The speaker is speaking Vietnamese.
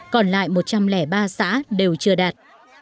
còn lại một trăm linh ba xã đều chưa đạt